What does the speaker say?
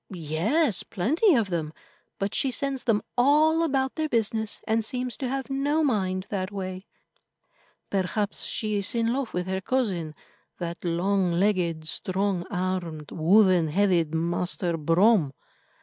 Yes, plenty of them, but she sends them all about their business, and seems to have no mind that way." "Perhaps she is in love with her cousin, that long legged, strong armed, wooden headed Master Brome."